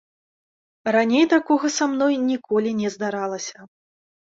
Раней такога са мной ніколі не здаралася.